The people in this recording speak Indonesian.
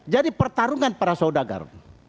jadi pertarungan para saudagar